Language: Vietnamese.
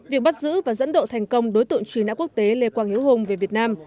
việc bắt giữ và dẫn độ thành công đối tượng truy nã quốc tế lê quang hiếu hùng về việt nam